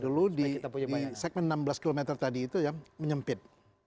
dulu di segmen enam belas km tadi itu yang menyempit